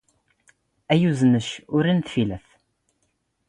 ⴰⵢⵢⵓⵣ ⵏⵏⴽ ⵓⵔ ⵏⵏ ⵜⴼⵉⵍⴷ.